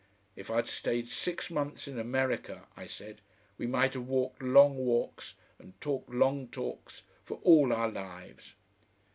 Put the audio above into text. "If I'd stayed six months in America," I said, "we might have walked long walks and talked long talks for all our lives."